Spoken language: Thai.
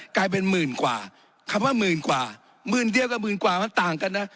กลายเป็นหมื่นกว่าคำว่าหมื่นกว่าหมื่นเดียวกับหมื่นกว่ามันต่างกันนะ